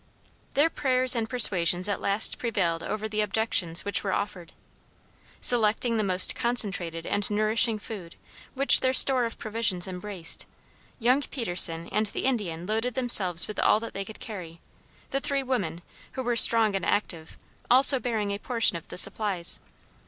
Their prayers and persuasions at last prevailed over the objections which were offered. Selecting the most concentrated and nourishing food, which their store of provisions embraced, young Peterson and the Indian loaded themselves with all that they could carry, the three women, who were strong and active, also bearing a portion of the supplies.